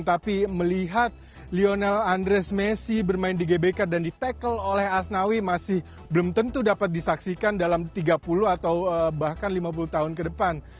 tapi melihat lionel andres messi bermain di gbk dan di tackle oleh asnawi masih belum tentu dapat disaksikan dalam tiga puluh atau bahkan lima puluh tahun ke depan